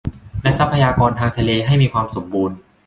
และทรัพยากรทางทะเลให้มีความสมบูรณ์